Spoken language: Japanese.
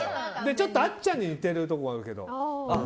ちょっと、あっちゃんに似てるところがあるけど。